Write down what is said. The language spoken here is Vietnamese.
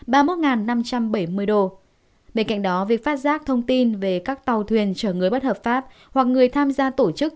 bên cạnh đó việc phát giác thông tin về các tàu thuyền chở người bất hợp pháp hoặc người tham gia tổ chức